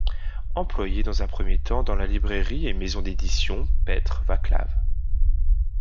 Employé dans un premier temps dans la librairie et maison d'édition Petr Václav.